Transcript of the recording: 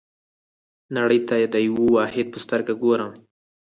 نړۍ ته د یوه واحد په سترګه ګورم.